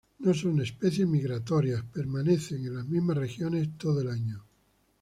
No son especies migratorias, permaneciendo en las mismas regiones todo el año.